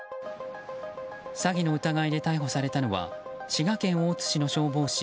詐欺の疑いで逮捕されたのは滋賀県大津市の消防士